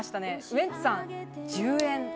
ウエンツさん、１０円。